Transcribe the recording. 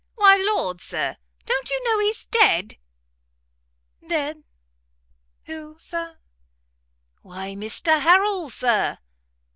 why lord! Sir, don't you know he's dead?" "Dead? who, Sir?" "Why Mr Harrel, Sir."